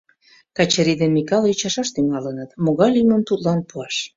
Качырий ден Микале ӱчашаш тӱҥалыныт: могай лӱмым тудлан пуаш.